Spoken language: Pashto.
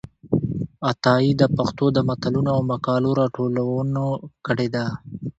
عطايي د پښتو د متلونو او مقالو راټولونه کړې ده.